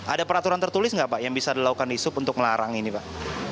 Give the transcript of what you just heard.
ada peraturan tertulis nggak pak yang bisa dilakukan di sub untuk melarang ini pak